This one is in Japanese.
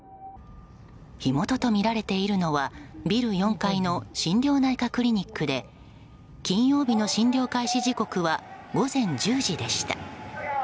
火元とみられているのはビル４階の心療内科クリニックで金曜日の診療開始時刻は午前１０時でした。